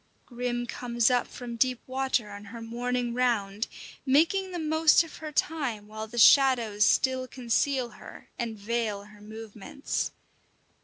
Grim comes up from deep water on her morning round, making the most of her time while the shadows still conceal her and veil her movements.